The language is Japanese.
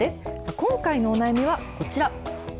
今回のお悩みはこちら。